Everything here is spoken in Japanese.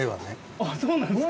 あっそうなんですか。